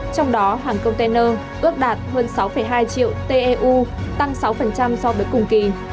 trong đó hàng container ước đạt hơn sáu hai triệu teu tăng sáu so với cùng kỳ